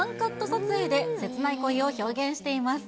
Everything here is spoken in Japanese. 撮影で切ない恋を表現しています。